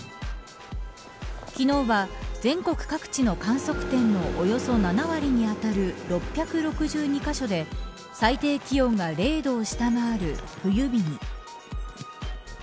昨日は全国各地の観測点のおよそ７割にあたる６６２カ所で最低気温が０度を下回る冬日に。